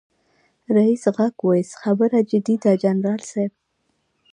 ريس غږ واېست خبره جدي ده جنرال صيب.